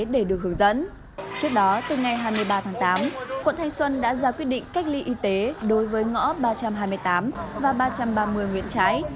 trước đó từ ngày hai mươi ba tháng tám quận thanh xuân đã ra quyết định cách ly y tế đối với ngõ ba trăm hai mươi tám và ba trăm ba mươi nguyễn trái